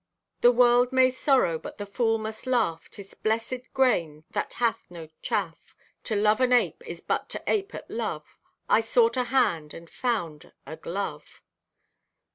The world may sorrow But the fool must laugh. 'Tis blessed grain That hath no chaff. To love an ape Is but to ape at love. I sought a hand, And found—a glove!